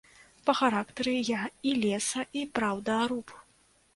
Па характары я і леса- і праўдаруб.